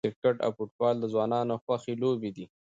کرکټ او فوټبال د ځوانانو خوښې لوبې دي.